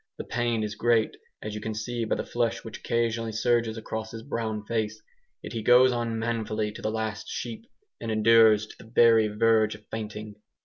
The pain is great, as you can see by the flush which occasionally surges across his brown face, yet he goes on manfully to the last sheep, and endures to the very verge of fainting.